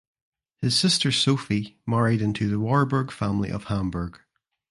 His sister Sophie married into the Warburg family of Hamburg.